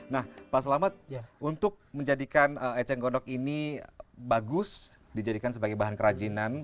nah pak selamat untuk menjadikan eceng gondok ini bagus dijadikan sebagai bahan kerajinan